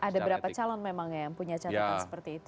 ada beberapa calon memang yang punya catatan seperti itu